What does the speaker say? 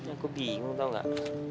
aku bingung tau nggak